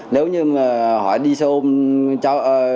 nếu như hỏi đi xe hôm